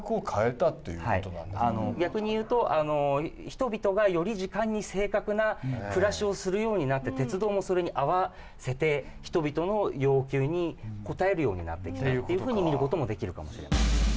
逆に言うと人々がより時間に正確な暮らしをするようになって鉄道もそれに合わせて人々の要求に応えるようになってきたっていうふうに見る事もできるかもしれない。